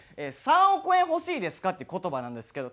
「３億円欲しいですか？」っていう言葉なんですけど。